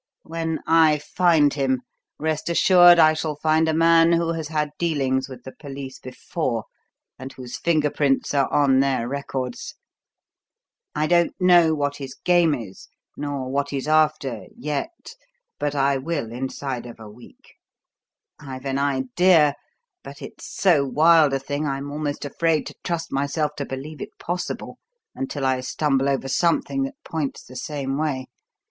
When I find him, rest assured I shall find a man who has had dealings with the police before and whose finger prints are on their records. I don't know what his game is nor what he's after yet, but I will inside of a week. I've an idea; but it's so wild a thing I'm almost afraid to trust myself to believe it possible until I stumble over something that points the same way.